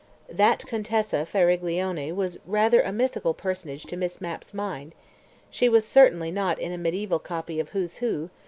That Contessa Faraglione was rather a mythical personage to Miss Mapp's mind: she was certainly not in a medieval copy of "Who's Who?"